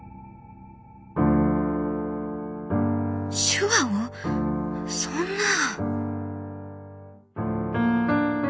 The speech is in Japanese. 「手話をそんな」。